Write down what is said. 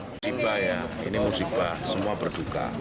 musibah ya ini musibah semua berduka